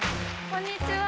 こんにちは。